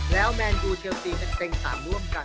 แล้วแมนดูเชียวทีเป็นเต้นสามร่วมกัน